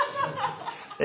え？